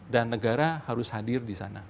dan negara harus hadir di sana